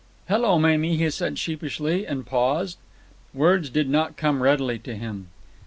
"Hello, Mamie," he said sheepishly, and paused. Words did not come readily to him.